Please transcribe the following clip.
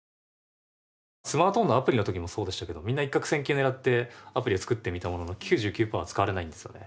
スマートフォンのアプリの時もそうでしたけどみんな一獲千金を狙ってアプリを作ってみたものの９９パーは使われないんですよね。